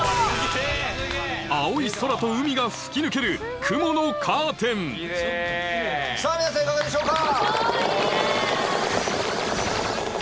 青い空と海が吹き抜けるさぁ皆さんいかがでしょうか？